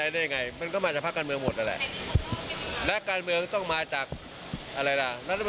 เดี๋ยวผมจะดูกระทรวงกลาโฮมตอบท่านนะไม่ใช่